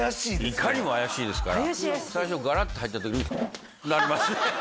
いかにも怪しいですから最初ガラッと入った時なりますね